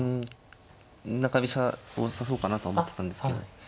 中飛車を指そうかなと思ってたんですけど。